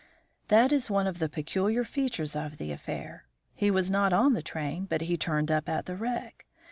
"That is one of the peculiar features of the affair. He was not on the train, but he turned up at the wreck.